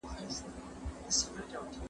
پلان جوړونه بايد په محلي او ملي کچه وي.